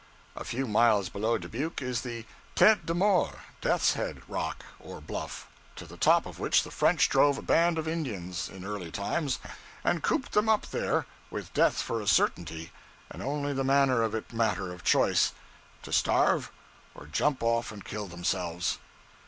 A few miles below Dubuque is the Tete de Mort Death's head rock, or bluff to the top of which the French drove a band of Indians, in early times, and cooped them up there, with death for a certainty, and only the manner of it matter of choice to starve, or jump off and kill themselves.